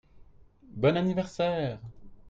Bon anniverssaire !